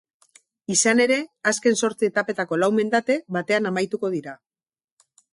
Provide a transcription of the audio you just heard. Izan ere, azken zortzi etapetako lau mendate batean amaituko dira.